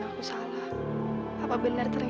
gak gue jadi sampe deg degan nih